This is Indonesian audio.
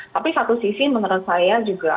tapi satu sisi menurut saya juga